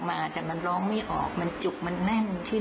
อธิษฐานเรื่องที่ทางค่ะไม่ได้เรื่องอื่น